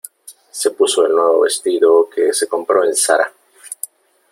Se puso el nuevo vestido que se compró en Zara.